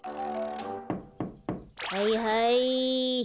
はいはい。